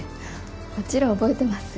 もちろん覚えてます。